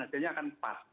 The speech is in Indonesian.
hasilnya akan pas